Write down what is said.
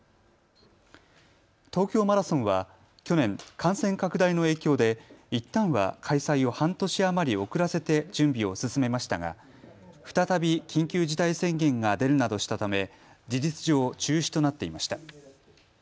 東京マラソンは去年、感染拡大の影響でいったんは開催を半年余り遅らせて準備を進めましたが再び緊急事態宣言が出るなどしたため事実上、中止となっていました。